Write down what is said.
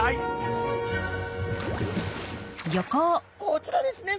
こちらですね